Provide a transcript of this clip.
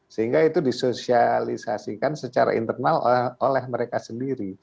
sehingga itu disosialisasikan secara internal oleh mereka sendiri